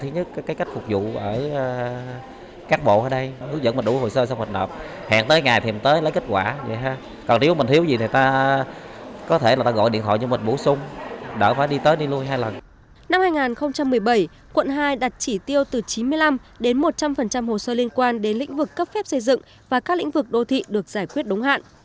năm hai nghìn một mươi bảy quận hai đặt chỉ tiêu từ chín mươi năm đến một trăm linh hồ sơ liên quan đến lĩnh vực cấp phép xây dựng và các lĩnh vực đô thị được giải quyết đúng hạn